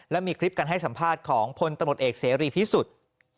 และมีคลิปการให้สัมภาษณ์ของพลตำรวจเอกเสรีพิสุทธิ์